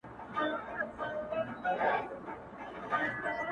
• زلمو لاريون وکړ زلمو ويل موږ له کاره باسي ـ